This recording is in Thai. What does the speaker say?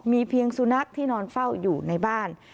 มีเพียงสุนัขที่นอนเฝ้าอยู่ในบ้าน